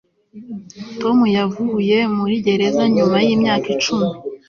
tom yavuye muri gereza nyuma yimyaka icumi